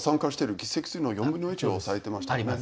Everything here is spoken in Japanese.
議席数の４分の１を押さえてましたよね。